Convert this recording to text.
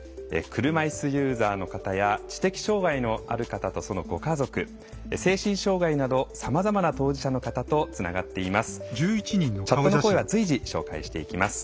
車いすユーザーの方や知的障害のある方とそのご家族、精神障害などさまざまな当事者の方とつながっています。